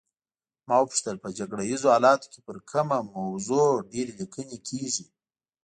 ما وپوښتل په جګړه ایزو حالاتو کې پر کومه موضوع ډېرې لیکنې کیږي.